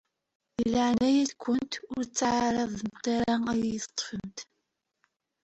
Di leɛnaya-nkent ur ttaɛraḍemt ara ad iyi-d-tafemt.